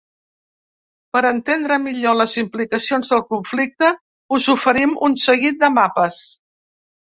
Per entendre millor les implicacions del conflicte us oferim un seguit de mapes.